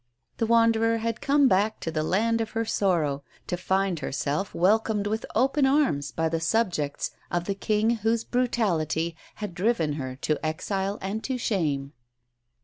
The wanderer had come back to the land of her sorrow, to find herself welcomed with open arms by the subjects of the King whose brutality had driven her to exile and to shame.